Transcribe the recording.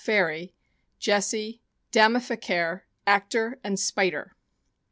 Fairy, Jessie, Damificare, Actor, and Spider.